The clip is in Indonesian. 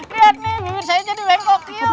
lihat nih saya jadi bengkok